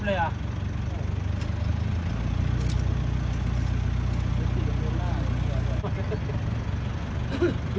เกลียดเข้าไปด้วย